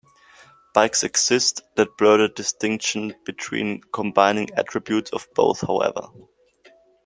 Bikes exist that blur the distinction by combining attributes of both, however.